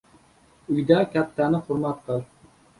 • Uyda kattani hurmat qil.